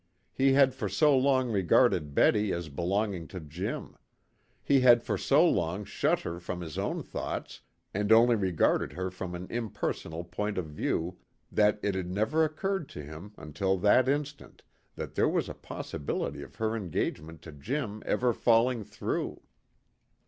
He had for so long regarded Betty as belonging to Jim; he had for so long shut her from his own thoughts and only regarded her from an impersonal point of view, that it had never occurred to him, until that instant, that there was a possibility of her engagement to Jim ever falling through.